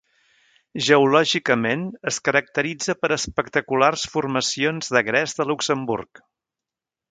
Geològicament, es caracteritza per espectaculars formacions de gres de Luxemburg.